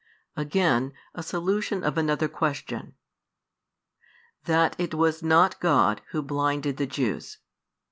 AGAIN: A SOLUTION OF ANOTHER QUESTION: That it was not God Who blinded the Jews.